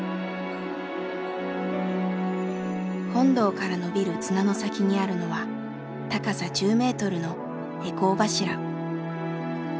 本堂から伸びる綱の先にあるのは高さ１０メートルの回向柱。